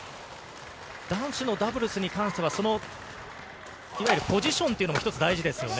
男子のダブルスに関しては、ポジションというのも一つ大事ですよね。